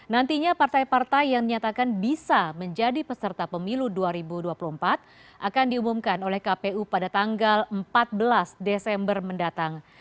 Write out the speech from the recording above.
nantinya partai partai yang nyatakan bisa menjadi peserta pemilu dua ribu dua puluh empat akan diumumkan oleh kpu pada tanggal empat belas desember mendatang